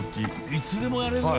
いつでもやれるよ。